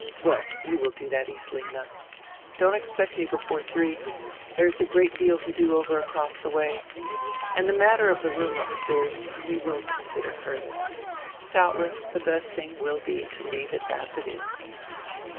Well, you will do that easily enough. Don't expect nre before three; there is a great deal to do over across the way. And tire nratter of tire roonr upstairs we will consider further. Doubtless, tire best tiring will be to leave it as it is."